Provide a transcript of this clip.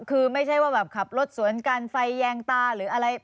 หรือว่าแบบคลับรถศวนกันไฟแย่งตา